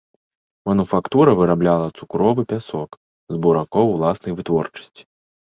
Мануфактура вырабляла цукровы пясок з буракоў уласнай вытворчасці.